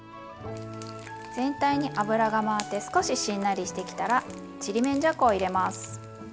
全体に油が回って少ししんなりしてきたらちりめんじゃこを入れます。